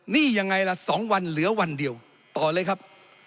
นี่ยังไงล่ะ๒วันเหลือวันเดียวต่อเลยครับ